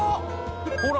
ほら！